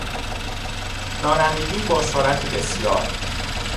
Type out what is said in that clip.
رانندگی با سرعت بسیار